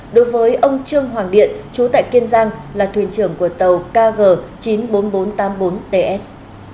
đối với ông trương hoàng điện chú tại kiên giang là thuyền trưởng của tàu kg chín mươi bốn nghìn bốn trăm tám mươi bốn ts